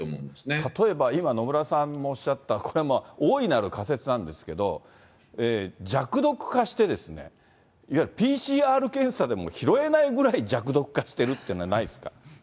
例えば今、野村さんもおっしゃった、これ、大いなる仮説なんですけれども、弱毒化してですね、いわゆるＰＣＲ検査でも拾えないぐらい弱毒化してるってないです